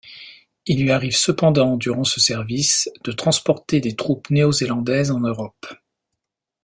Il lui arrive cependant durant ce service de transporter des troupes néo-zélandaises en Europe.